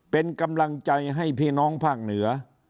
เป็นกำลังใจให้พี่น้องภาคเหนือ